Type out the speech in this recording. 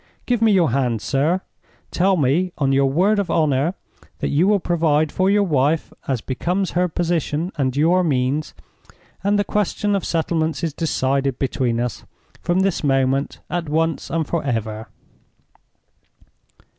Give me your hand, sir; tell me, on your word of honor, that you will provide for your wife as becomes her position and your means, and the question of settlements is decided between us from this moment at once and forever!"